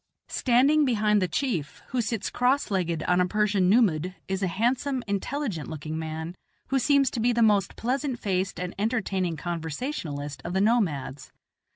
Standing behind the chief, who sits cross legged on a Persian nummud, is a handsome, intelligent looking man, who seems to be the most pleasant faced and entertaining conversationalist of the nomads.